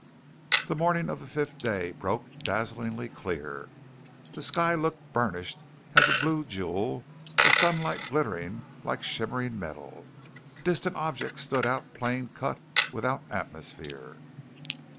The morning of the fifth day broke dazzlingly clear. The sky looked burnished as a blue jewel; the sunlight glittered like shimmering metal; distant objects stood out plain cut, without atmosphere.